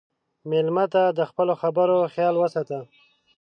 مېلمه ته د خپلو خبرو خیال وساته.